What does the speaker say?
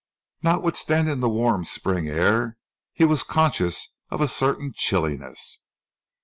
Notwithstanding the warm spring air he was conscious of a certain chilliness.